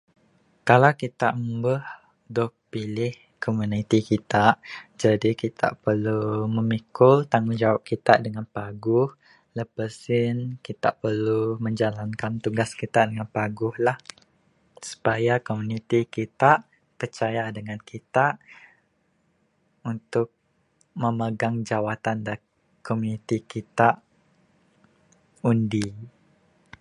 Kalau kita meh dog pilih komuniti kita, jadi kita perlu memikul tanggungjawab kita dangan paguh, lepas en, kita perlu menjalankan tugas kita dengan paguh la supaya komuniti kita picaya dangan kita, untuk memegang jawatan dak komuniti kita... undi